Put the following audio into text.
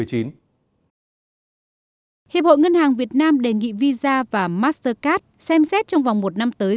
hiệp hội ngân hàng việt nam đề nghị visa và mastercard xem xét trong vòng một năm tới